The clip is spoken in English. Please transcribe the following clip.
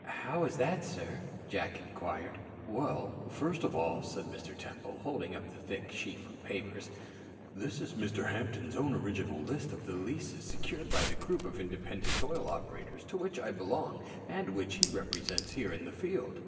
"How is that, sir?" Jack inquired. "Well, first of all," said Mr. Temple, holding up the thick sheaf of papers, "this is Mr. Hampton's own original list of the leases secured by the group of independent oil operators to which I belong and which he represents here in the field."